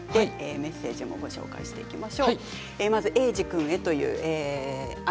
メッセージもご紹介します。